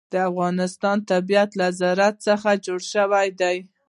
د افغانستان طبیعت له زراعت څخه جوړ شوی دی.